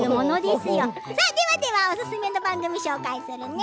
ではでは、おすすめの番組を紹介するよ。